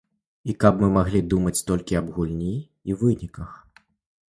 І каб мы маглі думаць толькі аб гульні і выніках.